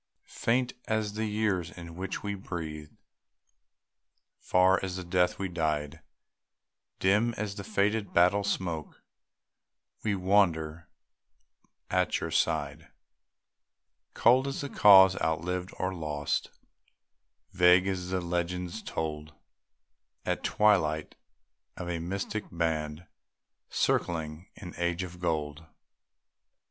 Faint as the years in which we breathed, Far as the death we died, Dim as the faded battle smoke, We wander at your side; Cold as a cause outlived, or lost, Vague as the legends told At twilight, of a mystic band Circling an Age of Gold.